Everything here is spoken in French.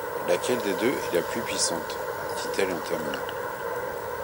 Laquelle des deux est la plus puissante ? dit-elle en terminant.